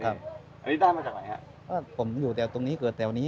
อันนี้ได้มาจากไหนครับผมอยู่ตรงนี้เกิดตรงดนี้